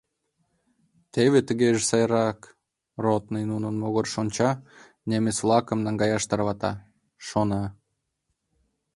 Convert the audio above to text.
- Теве тыгеже сайрак, - ротный нунын могырыш онча, немец-влакым наҥгаяш тарванат, шона.